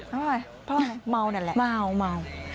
เฮ้ยเพราะเมาแบบนั้นแหละ